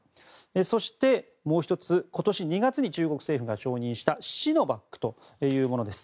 そして、もう１つ今年２月に中国政府が承認したシノバックというものです。